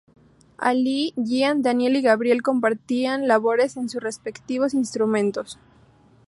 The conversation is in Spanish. Allí, Gian, Daniel y Gabriel compartían labores en sus respectivos instrumentos.